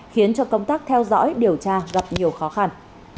khiến cho công tác theo dõi điều tra gặp nhiều khó khăn